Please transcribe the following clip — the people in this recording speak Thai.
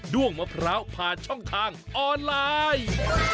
้วงมะพร้าวผ่านช่องทางออนไลน์